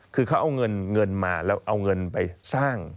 คือเขาเอาเงินมาแล้วเอาเงินไปสร้าง